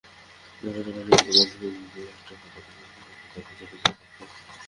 দ্রবণটা পানির মতো বর্ণহীন, দু-এক ফোঁটা দ্রবণে নবটা ভেজা-ভেজা থাকত।